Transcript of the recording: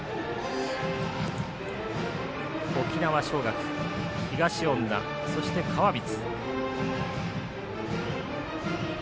沖縄尚学、東恩納そして川満。